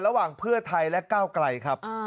ระหว่างเพื่อไทยและก้าวไกลครับ